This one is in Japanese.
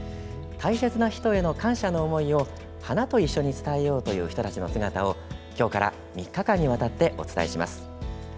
大切な人への感謝の思いを花と一緒に伝えようという人たちの姿をきょうから３日間にわたってお伝えします。